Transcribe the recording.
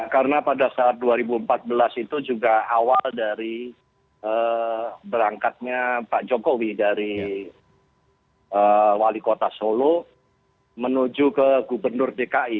karena pada saat dua ribu empat belas itu juga awal dari berangkatnya pak jokowi dari wali kota solo menuju ke gubernur dki